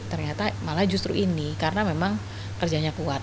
ternyata malah justru ini karena memang kerjanya kuat